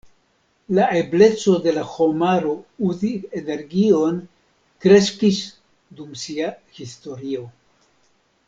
La ebleco de la homaro, uzi energion, kreskis dum sia historio.